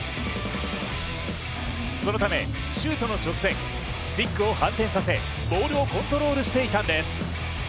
そのため、シュートの直前、スティックを反転させ、ボールをコントロールしていたんです。